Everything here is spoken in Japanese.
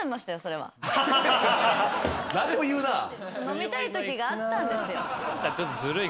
何でも言うなぁ。